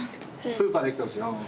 スーパーできてほしいなぁ。